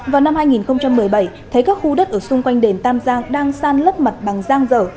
vào năm hai nghìn một mươi bảy thấy các khu đất ở xung quanh đền tam giang đang san lấp mặt bằng giang dở